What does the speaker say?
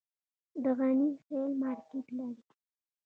د غني خیل مارکیټ لري